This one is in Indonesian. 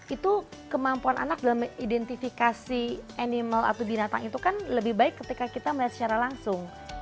itu kemampuan anak dalam identifikasi animal atau binatang itu kan lebih baik ketika kita melihat secara langsung